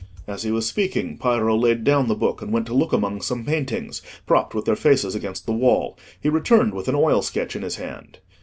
As he was speaking, Piero laid down the book and went to look among some paintings, propped with their faces against the wall. He returned with an oil sketch in his hand.